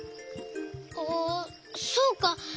あそうか。